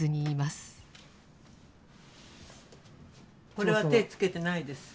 これは手付けてないです。